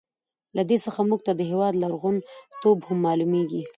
له دې څخه موږ ته د هېواد لرغون توب هم معلوميږي.